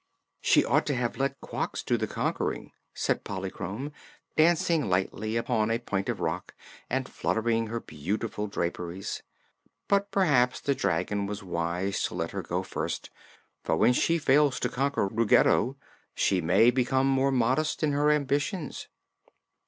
"She ought to have let Quox do the conquering," said Polychrome, dancing lightly upon a point of rock and fluttering her beautiful draperies. "But perhaps the dragon was wise to let her go first, for when she fails to conquer Ruggedo she may become more modest in her ambitions."